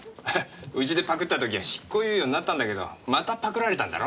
うちでパクった時は執行猶予になったんだけどまたパクられたんだろ？